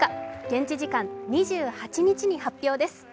現地時間２８日に発表です。